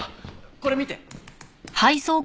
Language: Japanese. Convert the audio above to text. これ見て。